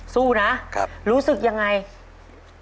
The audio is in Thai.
สู้นะรู้สึกยังไงครับครับ